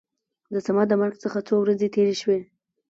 د صمد د مرګ څخه څو ورځې تېرې شوې.